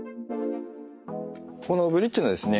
このブリッジのですね